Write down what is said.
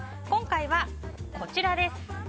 今回は、こちらです。